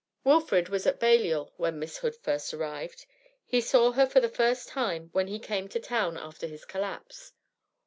Wilfrid was at Balliol when Miss Hood first arrived; he saw her for the first time when he came to town after his collapse.